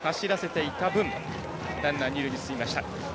走らせていた分ランナー、二塁に進みました。